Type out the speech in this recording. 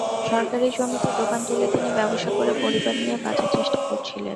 সরকারি জমিতে দোকান তুলে তিনি ব্যবসা করে পরিবার নিয়ে বাঁচার চেষ্টা করছিলেন।